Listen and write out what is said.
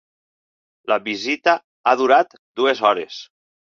La visita ha durat dues hores.